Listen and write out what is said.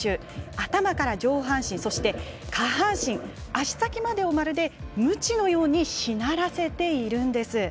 頭から上半身、下半身足先までを、まるでムチのようにしならせているんです。